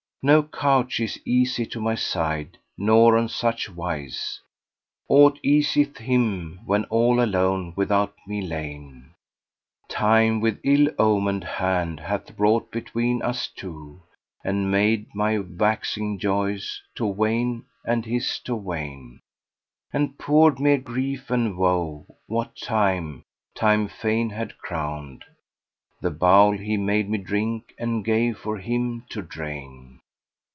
No couch is easy to my side, nor on such wise * Aught easeth him, when all alone without me lain: Time with ill omened hand hath wrought between us two, * And made my waxing joys to wane and his to wane, And poured mere grief and woe, what time Time fain had crowned * The bowl he made me drink and gave for him to drain."